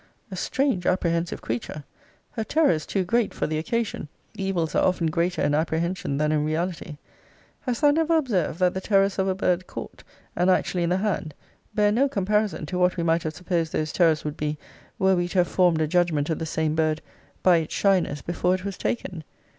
A strange apprehensive creature! Her terror is too great for the occasion. Evils are often greater in apprehension than in reality. Hast thou never observed, that the terrors of a bird caught, and actually in the hand, bear no comparison to what we might have supposed those terrors would be, were we to have formed a judgment of the same bird by its shyness before it was taken?